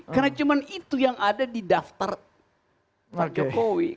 karena cuma itu yang ada di daftar pak jokowi